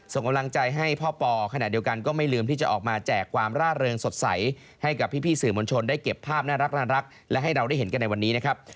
ส่งกำลังใจให้พ่อปอขณะเดียวกันก็ไม่ลืมที่จะออกมาแจกความร่าเริงสดใสให้กับพี่สื่อมวลชนได้เก็บภาพน่ารักและให้เราได้เห็นกันในวันนี้นะครับ